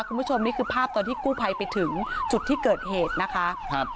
คุณผู้ชมนี่คือภาพตอนที่กู้ภัยไปถึงจุดที่เกิดเหตุนะคะครับ